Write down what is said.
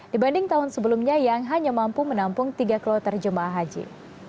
dibanding tahun sebelumnya yang hanya mampu menampung tiga kloter jemaah haji